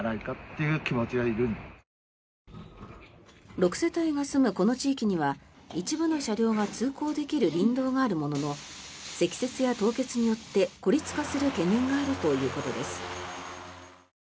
６世帯が住むこの地域には一部の車両が通行できる林道があるものの積雪や凍結によって孤立化する懸念があるということです。